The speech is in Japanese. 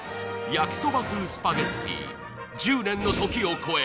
焼きそば風スパゲッティ１０年の時を超え